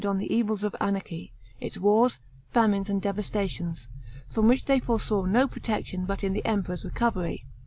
on the evils of anarchy, its wars, famines, and devastations, from which they foresaw no protection but in the Emperor's recovery.